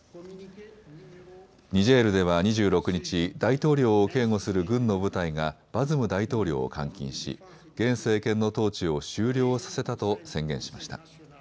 ニジェールでは２６日、大統領を警護する軍の部隊がバズム大統領を監禁し現政権の統治を終了させたと宣言しました。